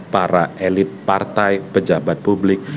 para elit partai pejabat publik